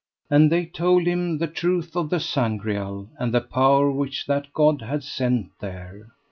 And they told him the truth of the Sangreal, and the power which that God had sent there.